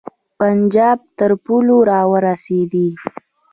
پنجاب تر پولو را ورسېدی.